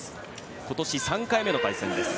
今年３回目の対戦です。